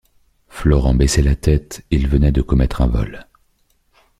Florent baissait la tête, il venait de commettre un vol.